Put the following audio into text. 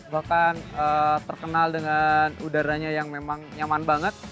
bahkan terkenal dengan udaranya yang memang nyaman banget